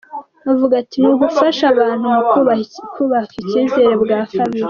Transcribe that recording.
Avuga ati, "Ni ugufasha abantu mu kubaha icizere ubwa kabiri" .